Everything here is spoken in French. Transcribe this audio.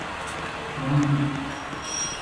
Sur le coup.